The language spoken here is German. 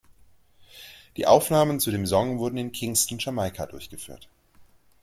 Die Aufnahmen zu dem Song wurden in Kingston, Jamaika, durchgeführt.